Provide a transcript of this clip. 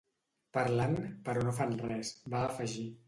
“Parlen, però no fan res”, va afegir.